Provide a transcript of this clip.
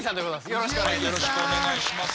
よろしくお願いします。